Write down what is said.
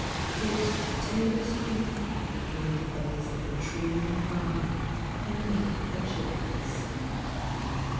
Put a tablespoonful near the base of the tree or vine and lock up the chickens.